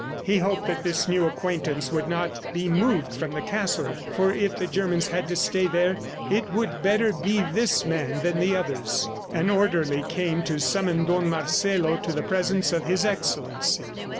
He hoped that this new acquaintance would not be moved from the castle; for if the Germans had to stay there, it would better be this man than the others. An orderly came to summon Don Marcelo to the presence of His Excellency.